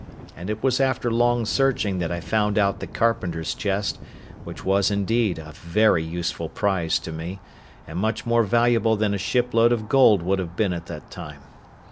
And it was after long searching that I found out the carpenter's chest, which was, indeed, a very useful prize to me, and much more valuable than a shipload of gold would have been at that time.